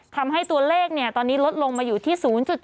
ทำให้ตัวเลขตอนนี้ลดลงมาอยู่ที่๐๗